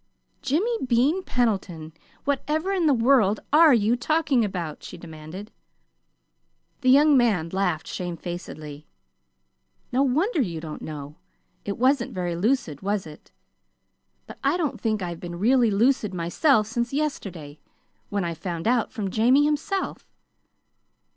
"Jimmy Bean Pendleton, whatever in the world are you talking about?" she demanded. The young man laughed shamefacedly. "No wonder you don't know. It wasn't very lucid, was it? But I don't think I've been really lucid myself since yesterday when I found out from Jamie himself."